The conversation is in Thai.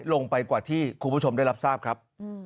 ลงไปกว่าที่คุณผู้ชมได้รับทราบครับ